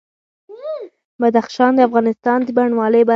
بدخشان د افغانستان د بڼوالۍ برخه ده.